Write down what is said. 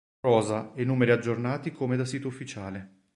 Rosa e numeri aggiornati come da sito ufficiale.